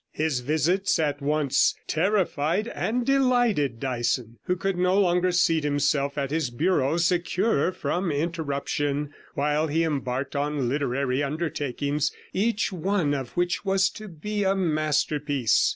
His visits at once terrified and delighted Dyson, who could no longer seat himself at his bureau secure from interruption while he embarked on literary undertakings, each one of which was to be a masterpiece.